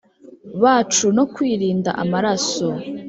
bacu no kwirinda amaraso